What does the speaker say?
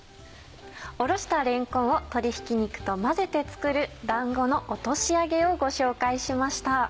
おろしたれんこんを鶏ひき肉と混ぜて作るだんごの落とし揚げをご紹介しました。